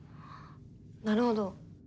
なるほど。